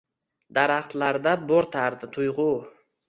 Daraxtlarda boʻrtardi tuygʻu